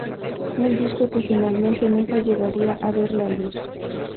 Un disco que finalmente nunca llegaría a ver la luz.